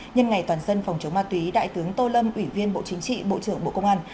nhân ngày toàn dân phòng chống ma túy đại tướng tô lâm ủy viên bộ chính trị bộ trưởng bộ công an